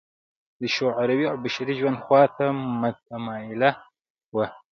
د شعوري او بشري ژوند خوا ته متمایله وه.